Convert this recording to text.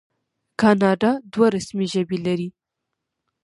کاناډا دوه رسمي ژبې لري.